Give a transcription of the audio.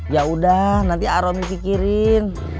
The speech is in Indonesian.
yaudah nanti aromi pikirin